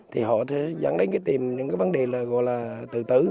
thì họ sẽ dẫn đến tìm những vấn đề gọi là tự tử